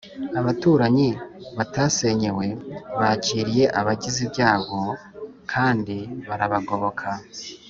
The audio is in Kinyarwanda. abaturanyi batasenyewe bakiriye abagize ibyago, kandibarabagoboka